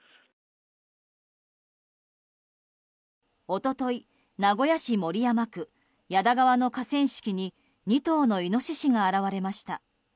一昨日、名古屋市守山区矢田川の河川敷に２頭のイノシシが現れました。